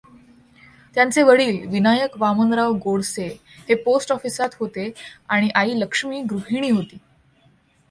त्यांचे वडील विनायक वामनराव गोडसे हे पोस्ट ऑफिसात होते आणि आई लक्ष्मी गृहिणी होती.